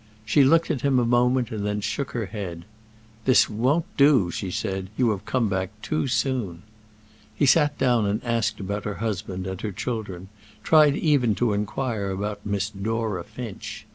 She looked at him a moment and shook her head. "This won't do," she said; "you have come back too soon." He sat down and asked about her husband and her children, tried even to inquire about Miss Dora Finch.